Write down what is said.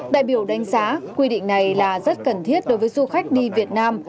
đại biểu đánh giá quy định này là rất cần thiết đối với du khách đi việt nam